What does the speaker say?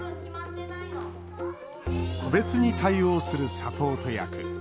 個別に対応するサポート役。